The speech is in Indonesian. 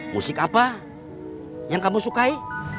musik apa yang kamu sukai